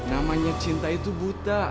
namanya cinta itu buta